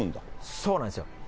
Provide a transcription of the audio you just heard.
そうなんです。